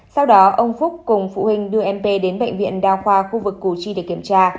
sau đó ông phúc cùng phụ huynh đưa m đến bệnh viện đa khoa khu vực củ chi để kiểm tra